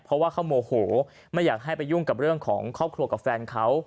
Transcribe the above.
เพราะว่าเขาโมโหไม่อยากให้ไปยุ่งกับเรื่องของครอบครัวกับแฟนเขา